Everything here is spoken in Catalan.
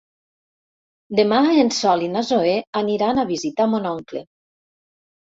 Demà en Sol i na Zoè aniran a visitar mon oncle.